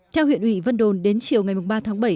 theo huyện ủy vân đồn đến chiều ngày ba tháng bảy